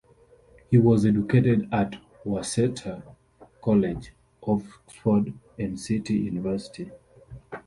He was educated at Worcester College, Oxford and City University.